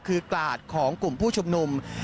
คือกาดของกลุ่มผู้ชุมนุม